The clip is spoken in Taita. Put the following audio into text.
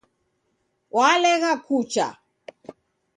Walegha kucha